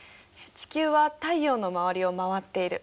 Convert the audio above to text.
地球は太陽の周りを回っている。